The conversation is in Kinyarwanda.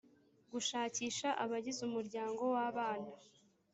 gushakisha abagize umuryango w’ abana.